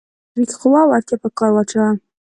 خپله فکري قوه او وړتيا په کار واچوي.